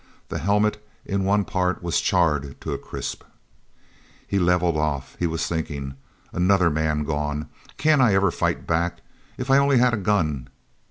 The helmet in one part was charred to a crisp. He leveled off. He was thinking: "Another man gone! Can't I ever fight back? If I only had a gun!"